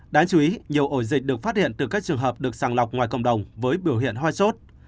đáng chú ý nhiều ổ dịch được phát hiện từ các trường hợp được sàng lọc ngoài cộng đồng với biểu hiện ho sốt